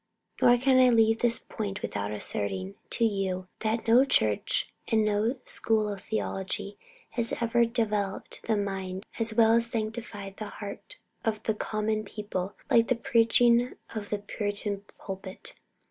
Nor can I leave this point without asserting it to you that no church and no school of theology has ever developed the mind as well as sanctified the heart of the common people like the preaching of the Puritan pulpit.